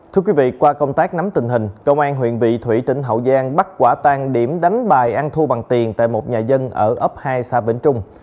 thưa quý vị qua công tác nắm tình hình công an huyện vị thủy tỉnh hậu giang bắt quả tang điểm đánh bài ăn thu bằng tiền tại một nhà dân ở ấp hai xã vĩnh trung